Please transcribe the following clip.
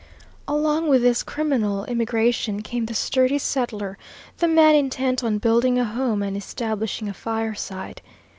Along with this criminal immigration came the sturdy settler, the man intent on building a home and establishing a fireside.